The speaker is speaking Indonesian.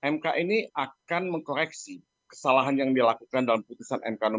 mk ini akan mengkoreksi kesalahan yang dilakukan dalam putusan mk dua